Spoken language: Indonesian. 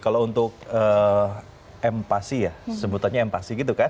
kalau untuk mpac ya sebutannya mpac gitu kan